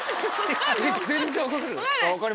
えっ全然分かる？